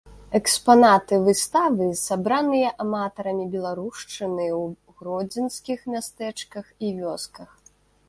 Экспанаты выставы сабраныя аматарамі беларушчыны ў гродзенскіх мястэчках і вёсках.